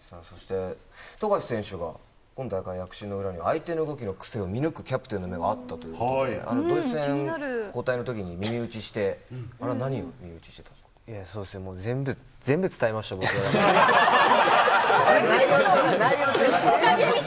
そして、富樫選手が今大会躍進の裏には、相手の動きの癖を見抜くキャプテンの目があったということで、ドイツ戦、交代のときに耳打ちして、全部、全部伝えました、僕はだから。